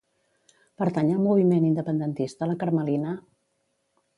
Pertany al moviment independentista la Carmelina?